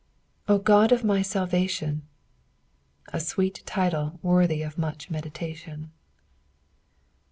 " O Qod of my lahation.^' A sweet title worthy of much meditation.